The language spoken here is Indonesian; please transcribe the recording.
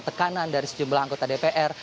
tekanan dari sejumlah anggota dpr